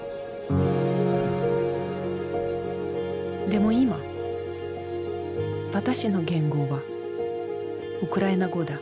でも今私の言語はウクライナ語だ。